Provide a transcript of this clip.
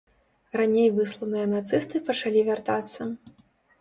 Раней высланыя нацысты пачалі вяртацца.